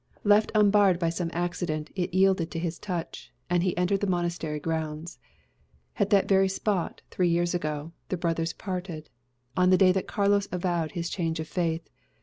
Left unbarred by some accident, it yielded to his touch, and he entered the monastery grounds. At that very spot, three years ago, the brothers parted, on the day that Carlos avowed his change of faith.